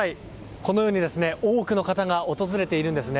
このように多くの方が訪れているんですね。